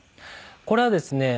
これはですね